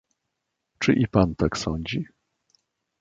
"Czy i pan tak sądzi?"